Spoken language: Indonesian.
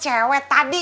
siapa cewek tadi